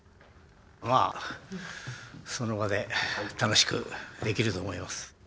まあその場で楽しくできると思います。